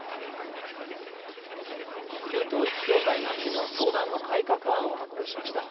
旧統一教会が昨日、教団の改革案を発表しました。